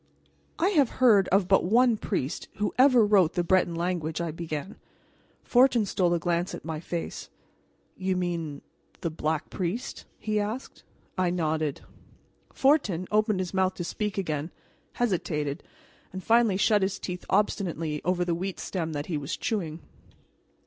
"I have heard of but one priest who ever wrote the Breton language," I began. Fortin stole a glance at my face. "You mean the Black Priest?" he asked. I nodded. Fortin opened his mouth to speak again, hesitated, and finally shut his teeth obstinately over the wheat stem that he was chewing.